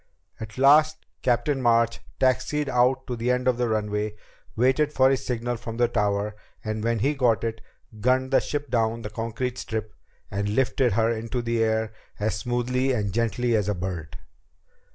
At last Captain March taxied out to the end of the runway, waited for his signal from the tower, and when he got it, gunned the ship down the concrete strip and lifted her into the air as smoothly and gently as a bird.